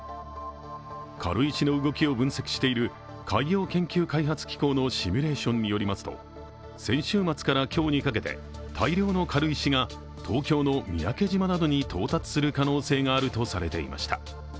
軽石の動きを分析している海洋研究開発機構のシミュレーションによりますと先週末から今日にかけて、大量の軽石が東京の三宅島などに到達する可能性があるとされていました。